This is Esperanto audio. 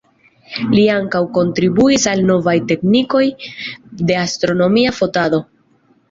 Li ankaŭ kontribuis al novaj teknikoj de astronomia fotado.